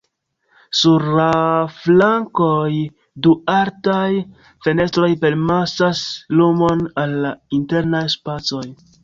Sur la flankoj, du altaj fenestroj permesas lumon al la internaj spacoj.